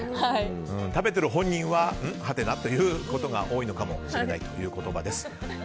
食べてる本人はハテナということが多いかもしれないという言葉です。